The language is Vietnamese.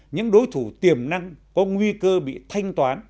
những đối thủ tiềm năng có nguy cơ bị thanh toán